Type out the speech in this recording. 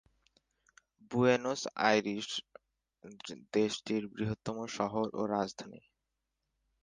Buenos Aires দেশটির বৃহত্তম শহর ও রাজধানী।